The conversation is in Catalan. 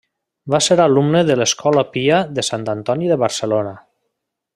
Va ser alumne de l'Escola Pia de Sant Antoni de Barcelona.